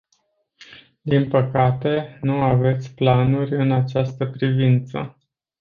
Din păcate, nu aveți planuri în această privință.